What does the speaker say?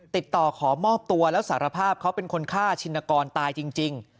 ติดต่อขอมอบตัวแล้วสารภาพเขาเป็นคนฆ่าชินกรตายจริง